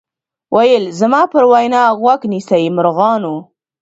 ویل زما پر وینا غوږ نیسۍ مرغانو